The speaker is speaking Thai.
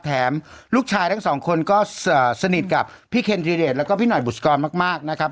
แถมลูกชายทั้งสองคนก็สนิทกับพี่เขนและพี่หน่อยบุษกรมากนะครับ